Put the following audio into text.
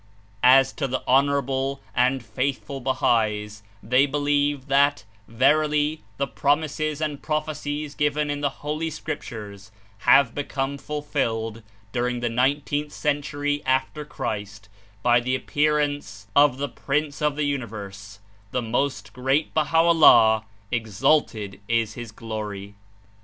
As to the honorable and faithful Bahais, they be lieve that, verily, the promises and prophecies given in the Holy Scriptures have become fulfilled during the nineteenth century after Christ by the appearance of the Prince of the Universe — the most great Baha'o'llah, exalted is His Glory!